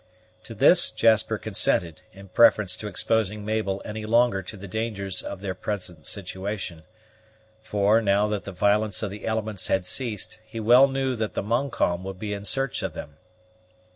To this Jasper consented, in preference to exposing Mabel any longer to the dangers of their present situation; for, now that the violence of the elements had ceased, he well knew that the Montcalm would be in search of them.